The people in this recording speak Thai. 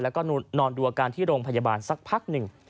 แล้วก็นอนดูอาการที่โรงพยาบาลสักพักหนึ่ง